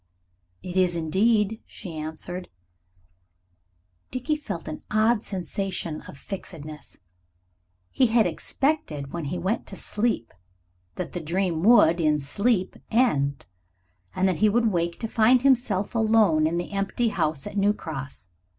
"It is indeed," she answered. Dickie felt an odd sensation of fixedness. He had expected when he went to sleep that the dream would, in sleep, end, and that he would wake to find himself alone in the empty house at New Cross.